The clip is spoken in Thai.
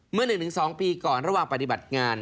เมื่อ๑๒ปีก่อนระหว่างปฏิบัติงาน